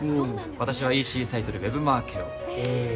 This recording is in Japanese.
私はＥＣサイトでウェブマーケをええ